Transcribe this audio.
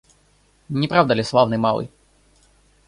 Неправда ли, славный малый?